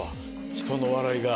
人の笑いが。